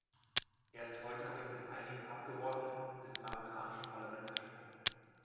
Erste heute habe ich mit einigen Abgeordneten des marokkanischen Parlaments gesprochen.